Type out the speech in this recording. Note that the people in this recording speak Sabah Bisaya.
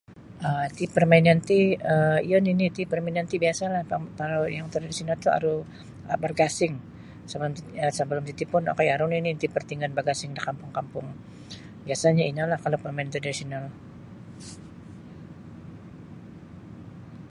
um Iti permainan ti um iyo nini ti permainan ti biasalah kalau yang tradisional ti aru bargasing sebelum titi sebelum titi okoi aru nini ti pertandingan bagasing da kampung-kampung biasanyo inolah kalau permainan tradisional.